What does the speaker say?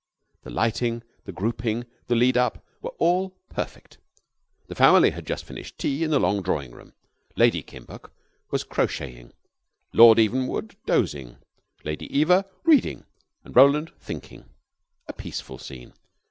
The lighting, the grouping, the lead up all were perfect. The family had just finished tea in the long drawing room. Lady Kimbuck was crocheting, Lord Evenwood dozing, Lady Eva reading, and Roland thinking. A peaceful scene.